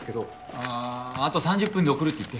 ああと３０分で送るって言って。